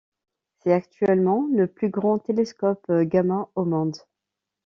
C'est actuellement le plus grand télescope gamma au monde.